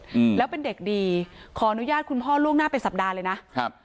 อืมแล้วเป็นเด็กดีขออนุญาตคุณพ่อล่วงหน้าเป็นสัปดาห์เลยนะครับ